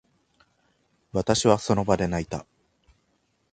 私は、その場で泣いた。